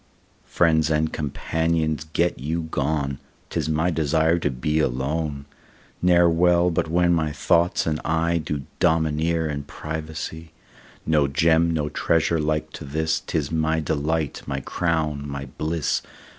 Friends and companions get you gone, 'Tis my desire to be alone; Ne'er well but when my thoughts and I Do domineer in privacy. No Gem, no treasure like to this, 'Tis my delight, my crown, my bliss.